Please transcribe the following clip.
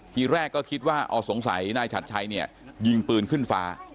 ทีแรกก็คิดว่าอ๋อสงสัยนายฉัดชัยเนี่ยยิงปืนขึ้นฟ้า